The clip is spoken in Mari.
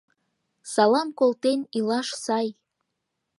Салам колтен илаш сай.